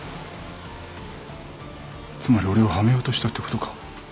つまり俺をはめようとしたってことか？